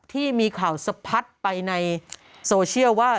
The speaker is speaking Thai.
ที่มีข่าวสะพัดไปในโซเชียลว่า